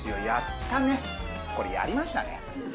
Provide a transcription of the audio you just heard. やったね、これやりましたね。